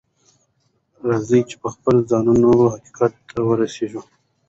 راځئ چې پخپله ځانونه حقيقت ته ورسوو.